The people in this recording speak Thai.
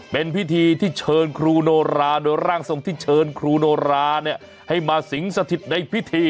เป็นพิธีที่เชิญครูโนราโดยร่างทรงที่เชิญครูโนราให้มาสิงสถิตในพิธี